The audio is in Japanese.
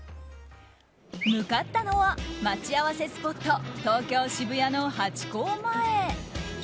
向かったのは待ち合わせスポット東京・渋谷のハチ公前。